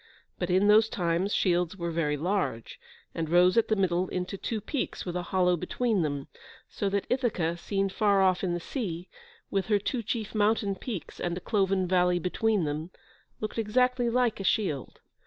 But in those times shields were very large, and rose at the middle into two peaks with a hollow between them, so that Ithaca, seen far off in the sea, with her two chief mountain peaks, and a cloven valley between them, looked exactly like a shield.